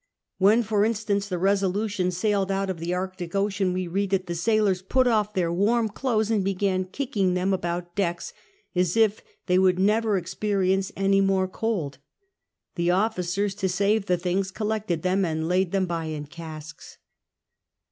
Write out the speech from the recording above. When, for instance, the Re&duiion sailed out of the Arctic Ocean, we read that the sailors put off their warm clothes and l)egan kicking them about decks, as if they would never experience any more cold. The officei's, to save the things, collected them and laid them by in casks.